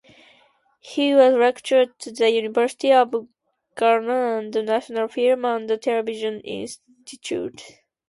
He was lecturer at the University of Ghana and National Film and Television Institute.